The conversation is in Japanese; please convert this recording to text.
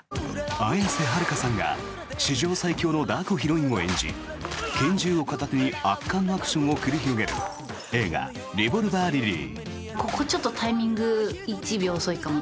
綾瀬はるかさんが史上最強のダークヒロインを演じ拳銃を片手に圧巻のアクションを繰り広げる映画「リボルバー・リリー」。